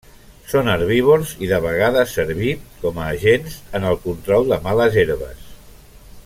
Són herbívors i de vegades servir com a agents en el control de males herbes.